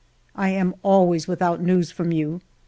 I am always without news from you.